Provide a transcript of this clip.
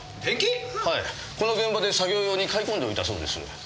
はいこの現場で作業用に買い込んでおいたそうです。